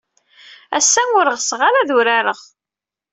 Ass-a, ur ɣseɣ ara ad urareɣ.